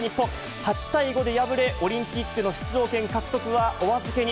８対５で敗れ、オリンピックの出場権獲得はお預けに。